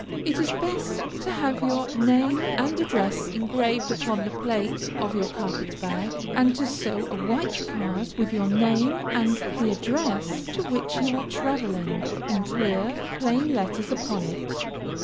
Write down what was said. It is best to have your name and address engraved upon the plate of your carpet bag, and to sew a white card, with your name and the address to which you are traveling, in clear, plain letters upon it.